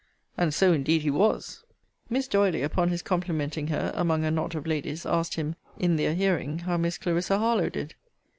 And so, indeed, he was. Miss D'Oily, upon his complimenting her, among a knot of ladies, asked him, in their hearing, how Miss Clarissa Harlowe did?